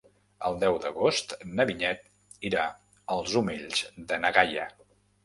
El deu d'agost na Vinyet irà als Omells de na Gaia.